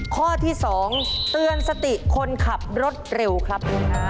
ข้อที่๒เตือนสติคนขับรถเร็วครับคุณฮะ